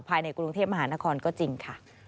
ภายในกรุงเทพมหานครก็จริงค่ะ